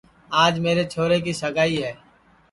آج میرے چھورے کی سگائی ہے